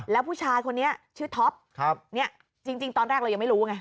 แล้วผู้ชายคนนี้ชื่อท็อปเนี่ยจริงตอนแรกเรายังไม่รู้ไง